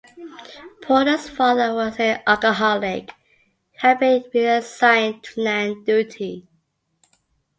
Porter's father was an alcoholic who had been reassigned to land duty.